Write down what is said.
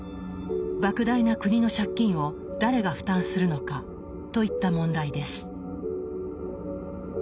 莫大な国の借金を誰が負担するのかといった問題です。